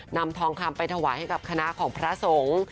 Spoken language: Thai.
นำทองคำไปถวายให้กับคณะของพระสงฆ์